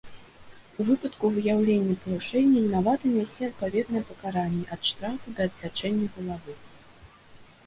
У выпадку выяўлення парушэння вінаваты нясе адпаведнае пакаранне, ад штрафу да адсячэння галавы.